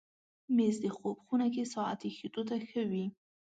مېز د خوب خونه کې ساعت ایښودو ته ښه وي.